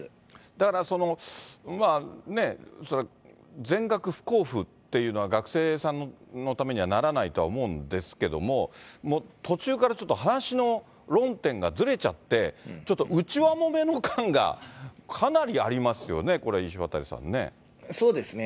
だから、それは全額不交付っていうのは、学生さんのためにはならないとは思うんですけども、途中からちょっと話の論点がずれちゃって、ちょっと内輪もめの感がかなりありますよね、これ、そうですね。